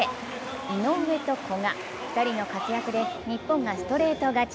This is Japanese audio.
井上と古賀、２人の活躍で日本がストレート勝ち。